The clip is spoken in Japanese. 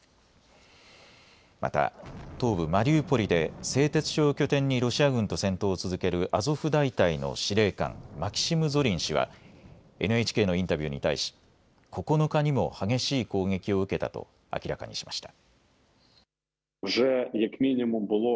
また東部マリウポリで製鉄所を拠点にロシア軍と戦闘を続けるアゾフ大隊の司令官、マキシム・ゾリン氏はＮＨＫのインタビューに対し９日にも激しい攻撃を受けたと明らかにしました。